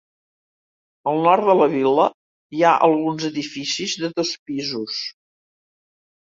Al nord de la vil·la hi ha alguns edificis de dos pisos.